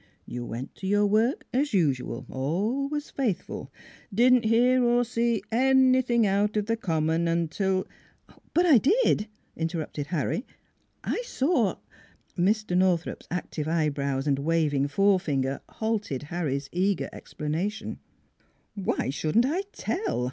You went to your work, as usual: always faithful. Didn't hear or see anything out of the common till "" But I did," interrupted Harry. " I saw Mr. Northrup's active eyebrows and waving forefinger halted Harry's eager explanation. NEIGHBORS 317 "Why shouldn't I tell?"